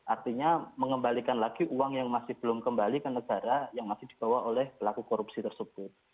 artinya mengembalikan lagi uang yang masih belum kembali ke negara yang masih dibawa oleh pelaku korupsi tersebut